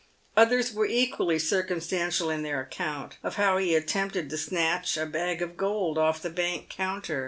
Others were equally circumstantial in their account of how he attempted to snatch a bag of gold off the bank counter.